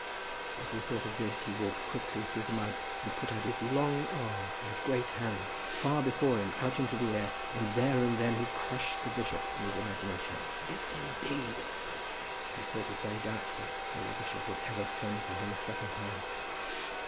As he thought of this he walked quickly through the mud, and put out his long arm and his great hand, far before him out into the air, and, there and then, he crushed the bishop in his imagination. Yes, indeed! He thought it very doubtful whether the bishop would ever send for him a second time.